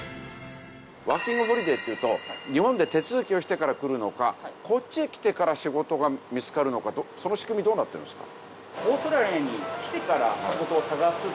ワーキング・ホリデーっていうと日本で手続きをしてから来るのかこっちへ来てから仕事が見つかるのかその仕組みどうなってるんですか？